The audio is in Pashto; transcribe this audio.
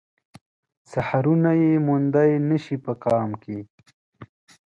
سحرونه يې موندای نه شي په قام کې